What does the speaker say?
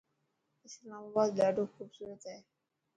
اسلاما آباد ڏاڌو خوبصورت هي.